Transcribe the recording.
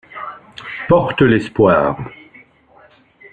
Porte l'espoir.